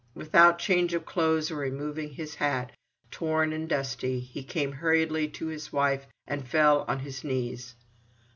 Without change of clothes or removing his hat, torn and dusty, he came hurriedly to his wife and fell on his knees.